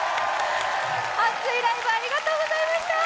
熱いライブありがとうございました！